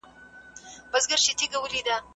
زه ونې ته اوبه نه ورکوم!؟